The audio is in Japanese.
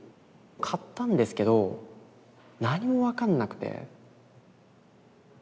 買ったんですけど何も分かんなくて。